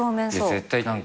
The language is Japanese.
絶対何か。